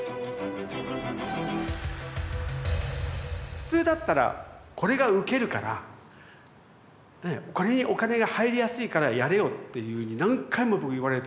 普通だったらこれがウケるからこれにお金が入りやすいからやれよっていうふうに何回も僕言われて。